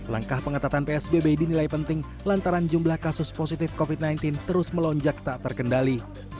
langkah pengetatan psbb dinilai penting lantaran jumlah kasus positif covid sembilan belas terus melonjak tak terkendali